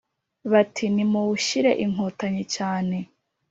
Bati: nimuwushyire Inkotanyi cyane